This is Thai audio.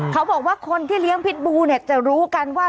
เขาบอกว่าคนที่เลี้ยงพิษบูเนี่ยจะรู้กันว่า